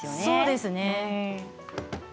そうですね。